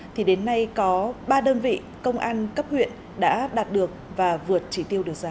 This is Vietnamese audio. thì đến nay có ba đơn vị công an cấp huyện đã đạt được và vượt chỉ tiêu được ra